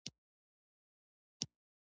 په حیوان په ژوند کې د فرعي سیسټمونو نقش وڅېړئ.